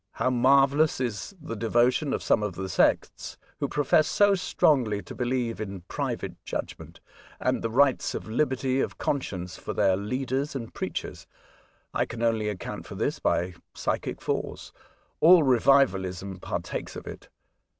How marvellous is the devotion of some of the sects, who profess so strongly to believe in private judgment, and the rights of liberty of con science for their leaders and preachers. I can only account for this by psychic force. All revivalism partakes of it.